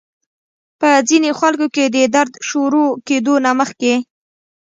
پۀ ځينې خلکو کې د درد شورو کېدو نه مخکې